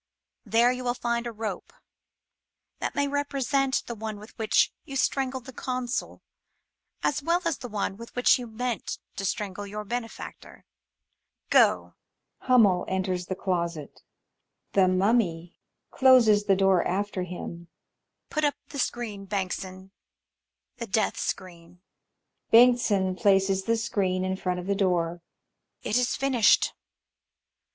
There you will find a rope that may represent the one with which you strangled the Consul as well as the one with which you meant to strangle your benefactor Go ! 136 THE SPOOK SONATA scenbh HxTMMEL enters the closet, MuMMT. [Closes the door after him] Put up the screen, Bengtsson. ... The Death Screen ! Bengtsson pUices the screen in front of the door. MuiOfT. It is finished